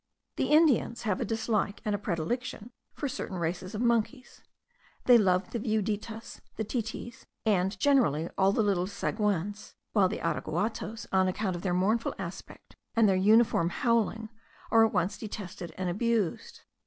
The Indians have a dislike and a predilection for certain races of monkeys; they love the viuditas, the titis, and generally all the little sagoins; while the araguatos, on account of their mournful aspect, and their uniform howling, are at once detested and abused.